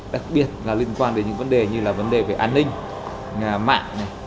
đặc biệt là liên quan đến những vấn đề như là vấn đề về an ninh mạng